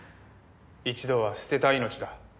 一度は捨てた命だ。